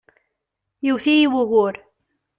Yewwet-iyi wugur.